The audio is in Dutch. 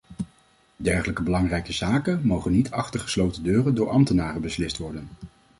Dergelijke belangrijke zaken mogen niet achter gesloten deuren door ambtenaren beslist worden.